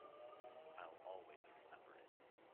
I'll always remember it.